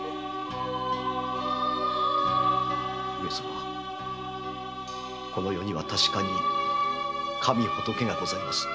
上様この世には確かに神仏がございます。